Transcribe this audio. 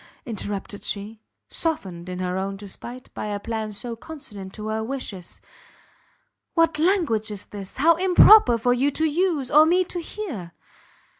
interrupted she, softened in her own despite by a plan so consonant to her wishes, "what language is this! how improper for you to use, or me to hear!"